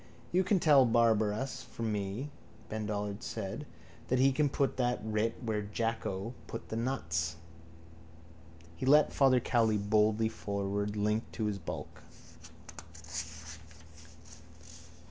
—You can tell Barabbas from me, Ben Dollard said, that he can put that writ where Jacko put the nuts. He led Father Cowley boldly forward, linked to his bulk.